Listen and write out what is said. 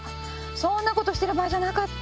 そんなことしてる場合じゃなかった。